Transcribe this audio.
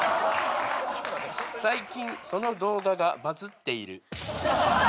「最近その動画がバズっている」